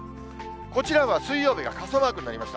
こちらは水曜日が傘マークになりました。